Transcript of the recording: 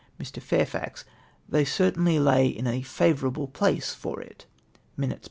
Mr. Fairfax. —" They certainly lay in a favourable place for itr't {Minutes, i).